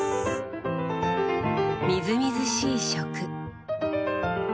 みずみずしい食。